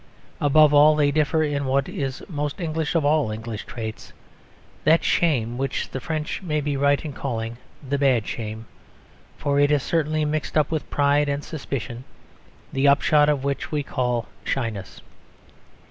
Above all, they differ in what is the most English of all English traits; that shame which the French may be right in calling "the bad shame"; for it is certainly mixed up with pride and suspicion, the upshot of which we call shyness.